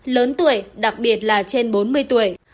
lớn tuổi đặc biệt là trên bốn mươi tuổi